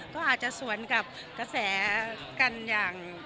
ก็อาจจะสวนกับกระแสกันอย่าง